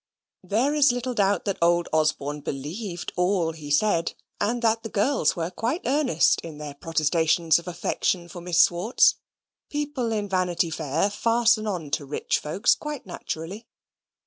There is little doubt that old Osborne believed all he said, and that the girls were quite earnest in their protestations of affection for Miss Swartz. People in Vanity Fair fasten on to rich folks quite naturally.